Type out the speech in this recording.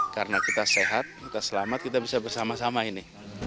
karena kita sehat kita selamat kita bisa bersama sama ini